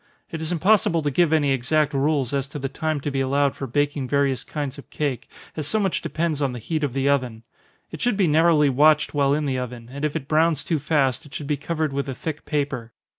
It is impossible to give any exact rules as to the time to be allowed for baking various kinds of cake, as so much depends on the heat of the oven. It should be narrowly watched while in the oven, and if it browns too fast, it should be covered with a thick paper.